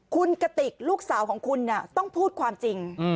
คุณกติกลูกสาวของคุณต้องพูดความจริง